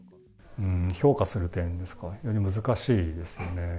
評価する点ですか、非常に難しいですよね。